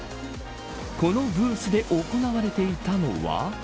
このブースで行われていたのは。